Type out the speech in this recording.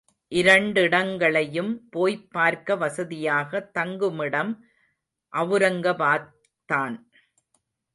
இரண்டிடங்களையும் போய்ப் பார்க்க வசதியாக தங்குமிடம் அவுரங்காபாத்தான்.